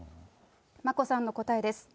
眞子さんの答えです。